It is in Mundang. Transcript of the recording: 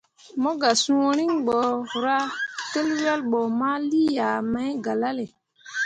Mo gah sũũ riŋ borah tǝl wel bo ma lii yah mai galale.